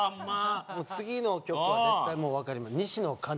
次の曲は絶対分かります。